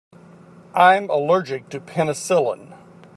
I am allergic to penicillin.